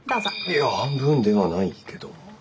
いや半分ではないけども。